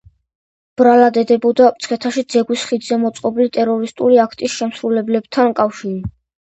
ბრალად ედებოდა, მცხეთაში ძეგვის ხიდზე მოწყობილი ტერორისტული აქტის შემსრულებლებთან კავშირი.